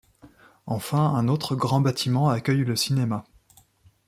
Enfin un autre grand bâtiment accueille le cinéma.